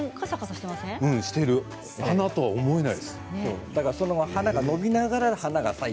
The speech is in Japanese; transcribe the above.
している、花とは思えない。